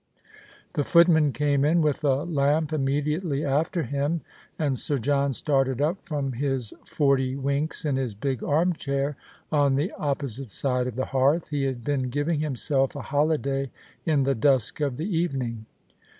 The footman came in with a lamp immediately after him, and Sir John started up from his forty winks in his big armchair on the opjiosite side of the hearth. He had been giving himself a holiday in the dusk of the evening.